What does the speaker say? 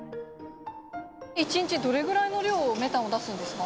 １日どれぐらいの量、メタンを出すんですか？